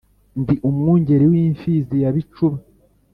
ndi umwungeri w’imfizi ya bicuba,